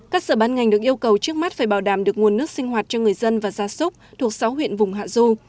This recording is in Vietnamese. các sở bán ngành được yêu cầu trước mắt phải bảo đảm được nguồn nước sinh hoạt cho người dân và gia súc thuộc sáu huyện vùng hạ du